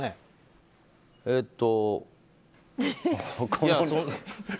えっと。